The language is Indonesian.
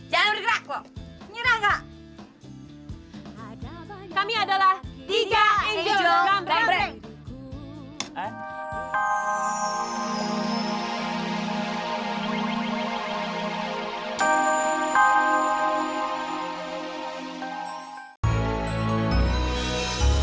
jangan bergerak loh